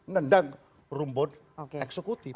nendang rumpun eksekutif